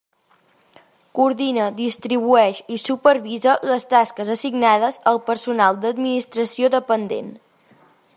Coordina, distribueix i supervisa les tasques assignades al personal d'administració dependent.